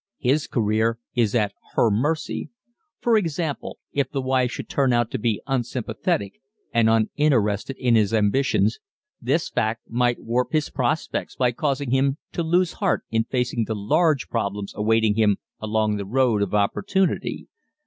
His career is at her mercy. For example, if the wife should turn out to be unsympathetic, and uninterested in his ambitions, this fact might warp his prospects by causing him to lose heart in facing the large problems awaiting him along the road of opportunity.